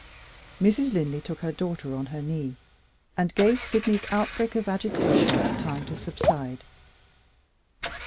Mrs. Linley took her daughter on her knee, and gave Sydney's outbreak of agitation time to subside.